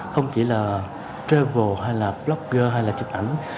không chỉ là travel hay là blogger hay là chụp ảnh